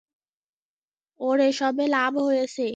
ওর এসবে লাভ হয়েছে!